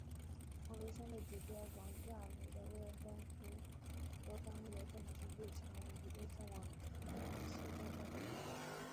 王沪生的姐姐王亚茹的未婚夫罗冈由于政治立场问题被送往五七干校改造。